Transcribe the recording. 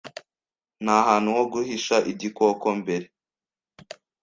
ntahantu ho guhisha igikoko imbere